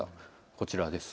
こちらです。